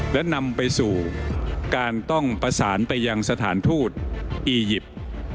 และนำไปสู่การต้องประสานไปยังสถานทูตอียิปต์